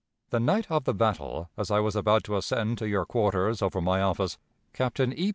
"The night of the battle, as I was about to ascend to your quarters over my office, Captain E.